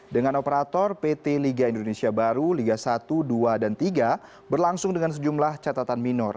dengan operator pt liga indonesia baru liga satu dua dan tiga berlangsung dengan sejumlah catatan minor